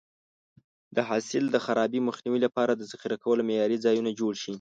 د حاصل د خرابي مخنیوي لپاره د ذخیره کولو معیاري ځایونه جوړ شي.